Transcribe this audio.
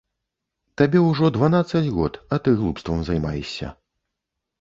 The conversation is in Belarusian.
Табе ўжо дванаццаць год, а ты глупствам займаешся.